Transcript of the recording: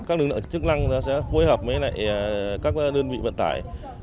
các lực lượng chức năng sẽ phối hợp với các đơn vị vận tải